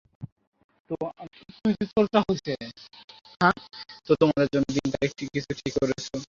তো, আমাদের জন্য দিন তারিখ কিছু ঠিক করেছ?